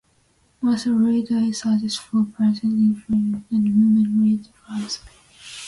Mauser later sued for patent infringement and won royalties from Springfield.